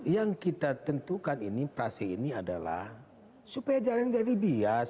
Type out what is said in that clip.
yang kita tentukan ini prase ini adalah supaya jalan jadi bias